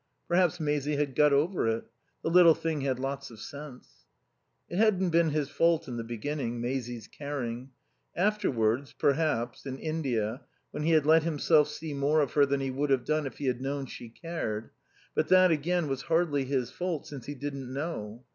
Perhaps Maisie had got over it. The little thing had lots of sense. It hadn't been his fault in the beginning, Maisie's caring. Afterwards, perhaps, in India, when he had let himself see more of her than he would have done if he had known she cared; but that, again, was hardly his fault since he didn't know.